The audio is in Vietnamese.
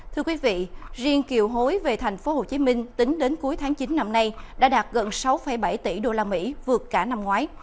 thưa quý vị riêng kiều hối về thành phố hồ chí minh tính đến cuối tháng chín năm nay đã đạt gần sáu bảy tỷ usd vượt cả năm ngoái